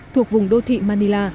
thuộc vùng đô thị manila